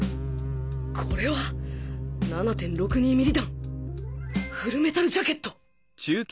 これは ７．６２ ミリ弾フルメタルジャケット！